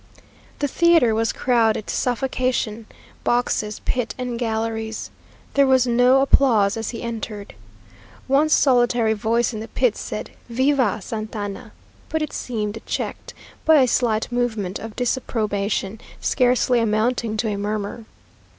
The theatre was crowded to suffocation; boxes, pit, and galleries. There was no applause as he entered. One solitary voice in the pit said "Viva Santa Anna!" but it seemed checked by a slight movement of disapprobation, scarcely amounting to a murmur.